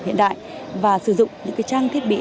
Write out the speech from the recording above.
hiện đại và sử dụng những cái trang thiết bị